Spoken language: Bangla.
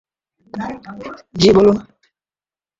জ্বি, বলুন!